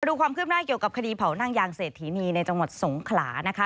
ดูความคืบหน้าเกี่ยวกับคดีเผานั่งยางเศรษฐีนีในจังหวัดสงขลานะคะ